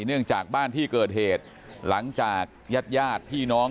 เนื่องจากบ้านที่เกิดเหตุหลังจากญาติญาติพี่น้อง